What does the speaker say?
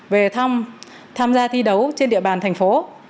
về tham gia thi đấu trên địa bàn thành phố